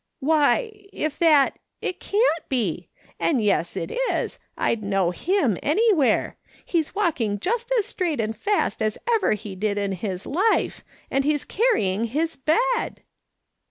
Why, if that — it can't be !— and yet it is, I'd know him anywhere ; he's walking just as straight and fast as ever he did in his life, and he's carrying his bed